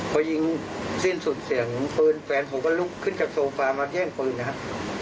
พอยิงสิ้นสุดเสียงปืนแฟนผมก็ลุกขึ้นจากโซฟามาแย่งปืนนะครับ